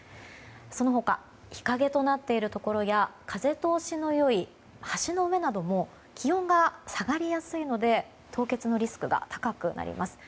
その他日陰となっているところや風通しの良い橋の上なども気温が下がりやすいので凍結のリスクが高くなります。